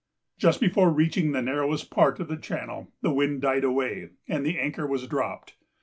Just before reaching the narrowest part of the channel, the wind died away, and the anchor was dropped.